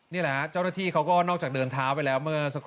นี่แหละเจ้าหน้าที่เขาก็นอกจากเดินท้าไปแล้ว